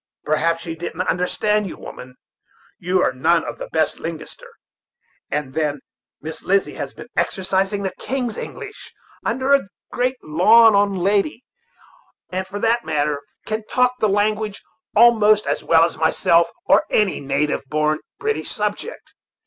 "Perhaps she didn't understand you, woman; you are none of the best linguister; and then Miss Lizzy has been exercising the king's English under a great Lon'on lady, and, for that matter, can talk the language almost as well as myself, or any native born British subject.